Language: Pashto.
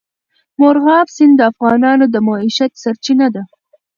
مورغاب سیند د افغانانو د معیشت سرچینه ده.